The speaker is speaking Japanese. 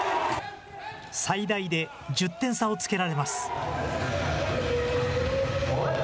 最大で１０点差をつけられます。